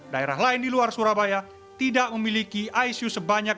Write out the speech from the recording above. daerah lain di luar surabaya tidak memiliki icu sebanyak